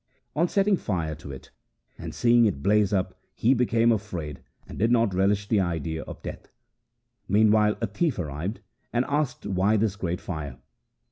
On setting fire to it and seeing it blaze up he became afraid, and did not relish the idea of death. Mean while a thief arrived and asked why this great fire